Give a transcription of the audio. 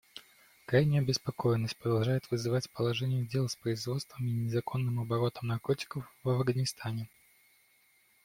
Крайнюю обеспокоенность продолжает вызывать положение дел с производством и незаконным оборотом наркотиков в Афганистане.